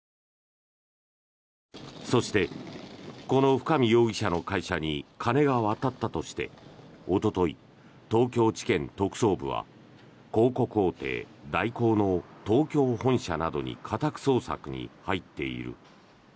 そして、この深見容疑者の会社に金が渡ったとしておととい、東京地検特捜部は広告大手、大広の東京本社などに家宅捜索に入っている。